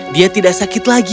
dia tidak sakit lagi